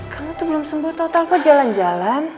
kamu tuh belum sembuh total aku jalan jalan